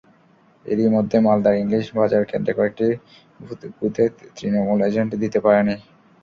এরই মধ্যে মালদার ইংলিশ বাজার কেন্দ্রে কয়েকটি বুথে তৃণমূল এজেন্ট দিতে পারেনি।